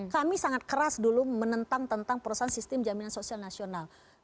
kami sangat keras dulu menentang tentang perusahaan sistem jaminan sosial nasional